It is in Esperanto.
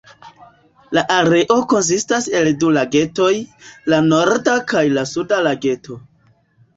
La areo konsistas el du lagetoj, la "Norda" kaj la "Suda" Lageto.